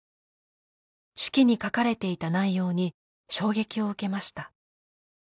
手記に書かれていた内容に衝撃を受けました。